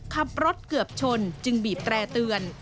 ขับรถเกือบชนจึงบีบแตร่เตือน